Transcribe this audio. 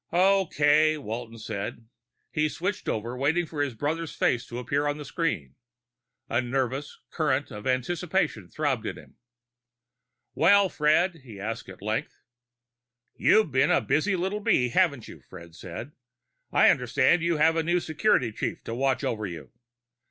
"Okay," Walton said. He switched over and waited for his brother's face to appear on the screen. A nervous current of anticipation throbbed in him. "Well, Fred?" he asked at length. "You've been a busy little bee, haven't you?" Fred said. "I understand you have a new security chief to watch over you."